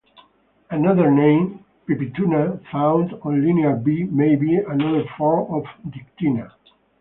Another name, Pipituna, found on Linear B may be another form of Diktynna.